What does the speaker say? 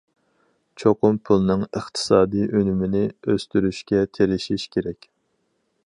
چوقۇم پۇلنىڭ ئىقتىسادىي ئۈنۈمىنى ئۆستۈرۈشكە تىرىشىش كېرەك.